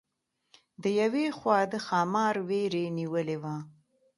د یوې خوا د ښامار وېرې نیولې وه.